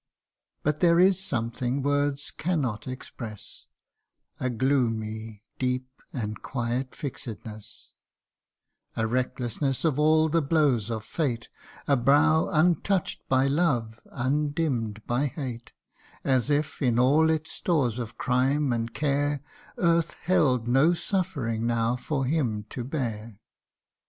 But there is something words cannot express A gloomy, deep, and quiet fixedness ; A recklessness of all the blows of fate A brow untouch'd by love, undimm'd by hate As if, in all its stores of crime and care, Earth held no suffering now for him to bear.